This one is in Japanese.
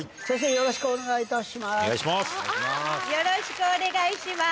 よろしくお願いします。